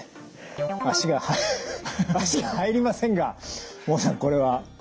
足が入りませんが孟さんこれは。